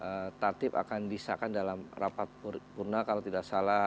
nanti akan disahkan dalam rapat purna kalau tidak salah